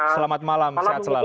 selamat malam selamat selalu